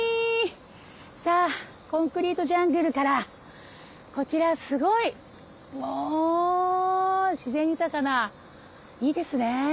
さあコンクリートジャングルからこちらすごいもう自然豊かないいですね。